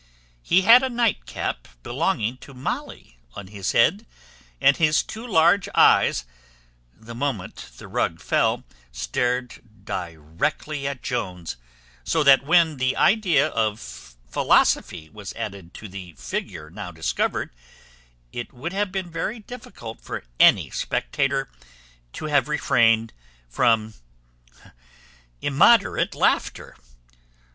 He had a nightcap belonging to Molly on his head, and his two large eyes, the moment the rug fell, stared directly at Jones; so that when the idea of philosophy was added to the figure now discovered, it would have been very difficult for any spectator to have refrained from immoderate laughter.